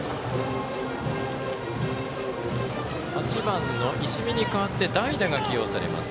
８番の石見に代わって代打が起用されます。